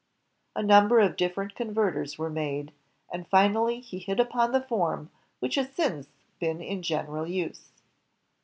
A number of different converters were made, and finally he hit upon the form which has since been in general use.